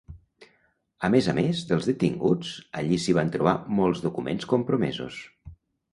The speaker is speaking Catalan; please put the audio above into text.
A més a més dels detinguts, allí s'hi van trobar molts documents compromesos.